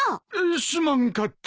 すまんかった。